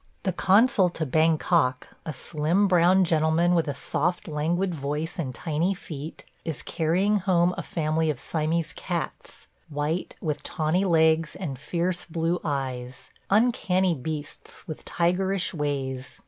The consul to Bangkok – a slim, brown gentleman with a soft, languid voice and tiny feet – is carrying home a family of Siamese cats; white, with tawny legs and fierce blue eyes; uncanny beasts with tigerish ways.